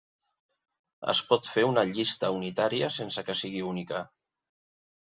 Es pot fer una llista unitària sense que sigui única.